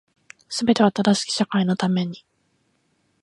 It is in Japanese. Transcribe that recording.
全ては正しき社会のために